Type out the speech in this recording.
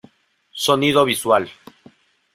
Sonido visual.